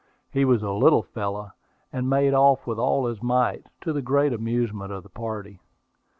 He was a little fellow, and made off with all his might, to the great amusement of the party.